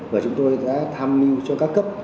và chúng tôi đã tham mưu cho các cấp